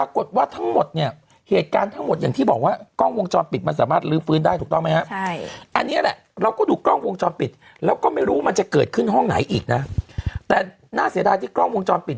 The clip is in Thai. คืนห้องไหนอีกนะแต่น่าเสียด้ายที่กล้องวงจรปิดเนี่ยเอาจริง